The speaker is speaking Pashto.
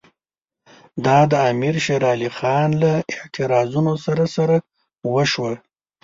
دا د امیر شېر علي خان له اعتراضونو سره سره وشوه.